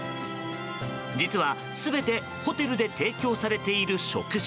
実は、全てホテルで提供されている食事